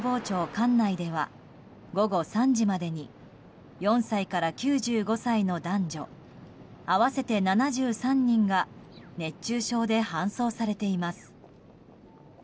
管内では午後３時までに４歳から９５歳の男女合わせて７３人が熱中症で搬送されています。